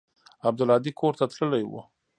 عبدالهادي کور ته تللى و.